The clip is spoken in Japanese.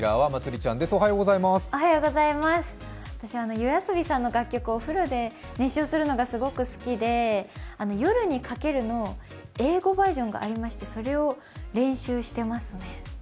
ＹＯＡＳＯＢＩさんの楽曲をお風呂で熱唱するのがすごく好きで「夜に駆ける」の英語バージョンがありましてそれを練習してますね。